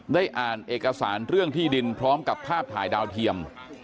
ได้อ่านเอกสารเรื่องที่ดินพร้อมกับภาพถ่ายดาวเทียม